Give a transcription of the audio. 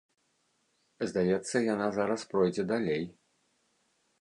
Здаецца, яна зараз пройдзе далей.